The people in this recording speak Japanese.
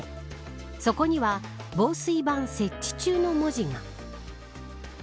そこには防水板設置中の文字が。